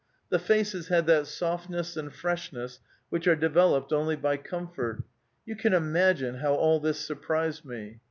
The faces had that softness and freshness which are developed only by comfort. You can imagine how all this surprised me.